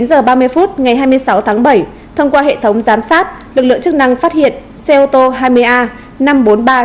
khoảng chín h ba mươi phút ngày hai mươi sáu tháng bảy thông qua hệ thống giám sát lực lượng chức năng phát hiện xe ô tô hai mươi a năm mươi bốn nghìn ba trăm chín mươi tám